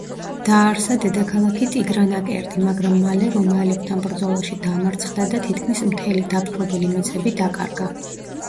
დააარსა დედაქალაქი ტიგრანაკერტი, მაგრამ მალე რომაელებთან ბრძოლაში დამარცხდა და თითქმის მთელი დაპყრობილი მიწები დაკარგა.